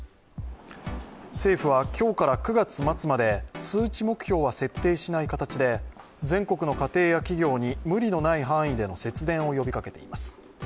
政府は今日から９月末まで数値目標は設定しない形で全国の家庭や企業に無理のない範囲での節電を呼びかけています。